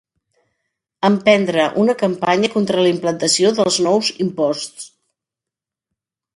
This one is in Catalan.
Emprendre una campanya contra la implantació dels nous imposts.